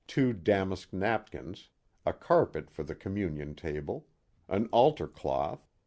Two damask napkins. A carpet for the communion table. An altar cloth.